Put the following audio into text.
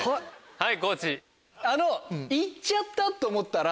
はい！